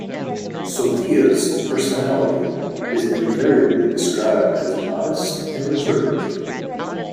Sothea's personality is invariably described as modest and reserved.